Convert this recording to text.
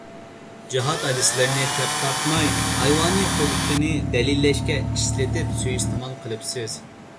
جىھاد ھەدىسلىرىنى تەپتارتماي ھايۋانىي خۇلقىنى دەلىللەشكە ئىشلىتىپ سۇيىئىستېمال قىلىپسىز.